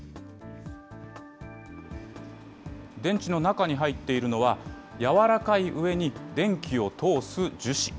電池の中に入っているのは、柔らかいうえに電気を通す樹脂。